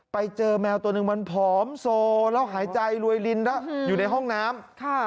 ไปเจอแมวตัวหนึ่งมันผอมโซแล้วหายใจรวยลินแล้วอยู่ในห้องน้ำ